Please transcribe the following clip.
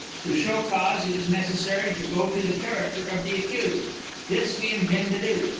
To show cause it is necessary to go into the character of the accused. This we intend to do.